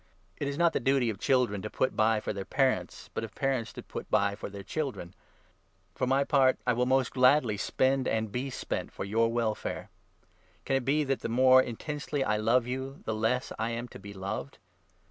It is not the duty of children to put by for their parents, but of parents to put by for their children. For my 15 part, I will most gladly spend, and be spent, for your welfare. Can it be that the more intensely I love you the less I am to be loved